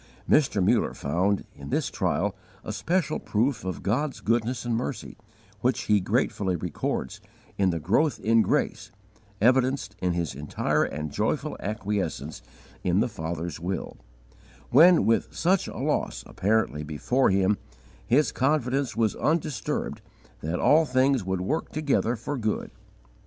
Mr. Muller found, in this trial, a special proof of God's goodness and mercy, which he gratefully records, in the growth in grace, evidenced in his entire and joyful acquiescence in the Father's will, when, with such a loss apparently before him, his confidence was undisturbed that all things would work together for good.